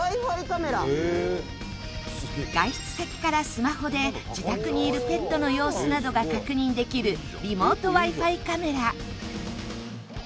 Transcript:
外出先からスマホで自宅にいるペットの様子などが確認できるリモートＷｉ−Ｆｉカメラ。